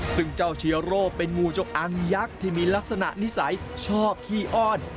ซึ่งเจ้าเชื้อโรคเป็นงูเจ้าอังยักษ์ที่มีลักษณะนิสัยชอบขี้อ้อน